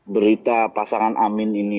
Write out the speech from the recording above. berita pasangan amin ini